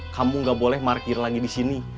kamu gak boleh marker lagi disini